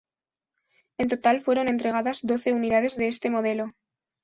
En total, fueron entregadas doce unidades de este modelo.